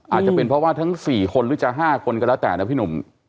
อาจจะเป็นเพราะว่าทั้ง๔คนหรือจะ๕คนก็แล้วแต่นะพี่หนุ่ม